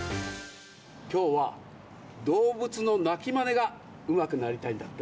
きょうはどうぶつのなきマネがうまくなりたいんだって？